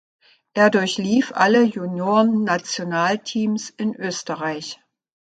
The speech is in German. Er durchlief alle Juniorennationalteams in Österreich.